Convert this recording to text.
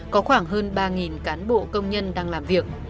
có khoảng hơn ba cán bộ công nhân đang làm việc